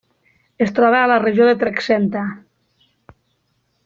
Es troba a la regió de Trexenta.